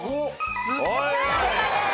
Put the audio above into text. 正解です。